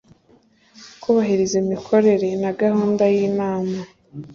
kubahiriza imikorere na gahunda y inama